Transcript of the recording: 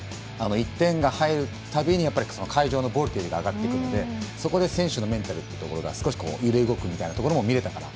１点が入るたびに会場のボルテージが上がっていくのでそこで選手のメンタルっていうところが少し揺れ動くっていうところが見れたかな。